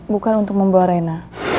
bukan untuk membawa rena